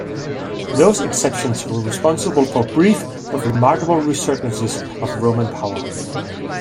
Those exceptions were responsible for brief, but remarkable resurgences of Roman power.